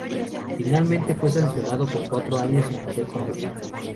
Finalmente fue sancionado con cuatro años sin poder competir.